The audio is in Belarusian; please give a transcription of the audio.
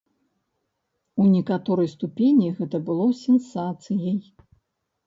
У некаторай ступені гэта было сенсацыяй.